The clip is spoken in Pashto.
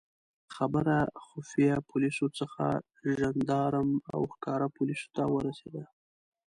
خبره خفیه پولیسو څخه ژندارم او ښکاره پولیسو ته ورسېده.